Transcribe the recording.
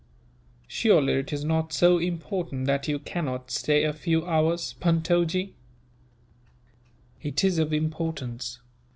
"Surely it is not so important that you cannot stay a few hours, Puntojee?" "It is of importance.